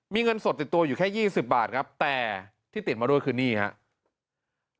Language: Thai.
มีเงินสดติดตัวอยู่แค่๒๐บาทครับแต่ที่ติดมาด้วยคือนี่ครับ